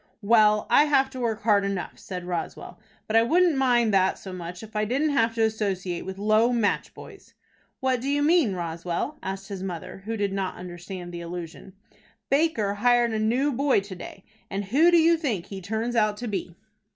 "Well, I have to work hard enough," said Roswell, "but I wouldn't mind that so much, if I didn't have to associate with low match boys." "What do you mean, Roswell?" asked his mother, who did not understand the allusion. "Baker hired a new boy to day, and who do you think he turns out to be?"